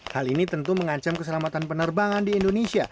hal ini tentu mengancam keselamatan penerbangan di indonesia